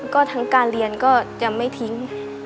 ก็ทั้งการเรียนก็จะไม่ทิ้ง